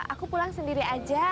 aku pulang sendiri aja